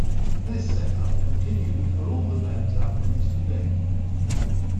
This set-up continued for all the band's albums to date.